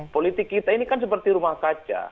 politik kita ini kan seperti rumah kaca